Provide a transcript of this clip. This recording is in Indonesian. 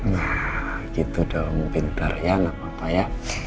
nah gitu dong pintar ya anak papa ya